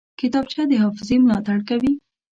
کتابچه د حافظې ملاتړ کوي